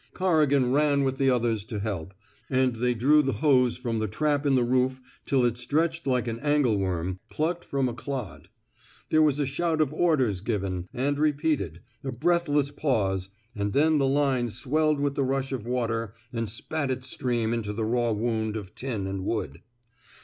Corrigan ran with the others to help, and they drew the hose from the trap in the roof till it stretched like an angleworm, plucked from a clod. There was a shout of orders given and re peated, a breathless pause, and then the 162 COERIGAN'S PROMOTION line swelled with the rush of water and spat its stream into the raw wound of tin and wood.